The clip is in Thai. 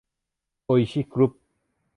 โออิชิ กรุ๊ป